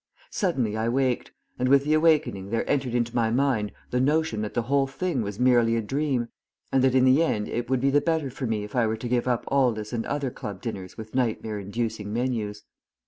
Suddenly I waked, and with the awakening there entered into my mind the notion that the whole thing was merely a dream, and that in the end it would be the better for me if I were to give up Aldus and other club dinners with nightmare inducing menus.